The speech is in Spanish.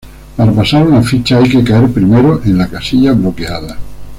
Para pasar una ficha hay que caer primero en la casilla bloqueada.